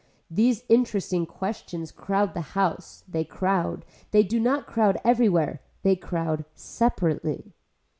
These interesting questions crowd the house, they crowd, they do not crowd everywhere. They crowd separately.